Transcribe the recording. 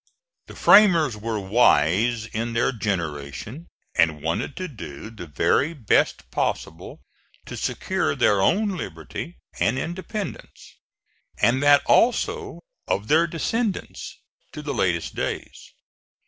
The framers were wise in their generation and wanted to do the very best possible to secure their own liberty and independence, and that also of their descendants to the latest days.